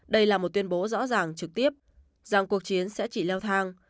đây là một tuyên bố rõ ràng trực tiếp rằng cuộc chiến sẽ chỉ leo thang